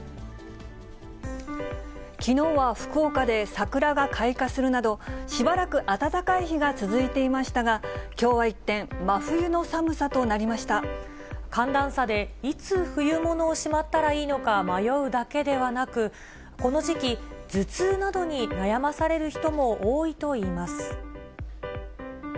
きのうは福岡で桜が開花するなど、しばらく暖かい日が続いていましたが、きょうは一転、真冬の寒さ寒暖差でいつ冬物をしまったらいいのか迷うだけではなく、この時期、頭痛などに悩まされる人も多いといいます。